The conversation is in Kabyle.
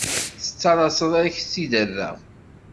Tettalaseḍ ad k-t-id-rreɣ.